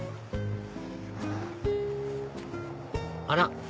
あら？